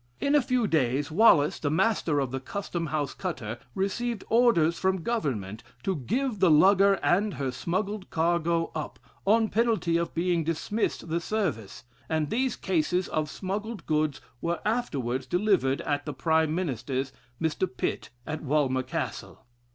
In a few days, Wallace, the master of the Custom House cutter, received orders from Government to give the lugger and her smuggled cargo up, on penalty of being dismissed the service; and these cases of smuggled goods were afterwards delivered at the Prime Ministers, Mr. Pitt, at Walmer Castle.